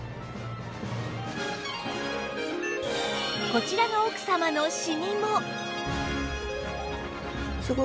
こちらの奥様のシミも